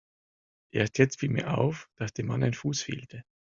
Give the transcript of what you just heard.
Erst jetzt fiel mir auf, dass dem Mann ein Fuß fehlte.